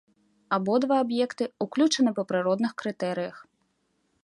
Абодва аб'екты ўключаны па прыродных крытэрыях.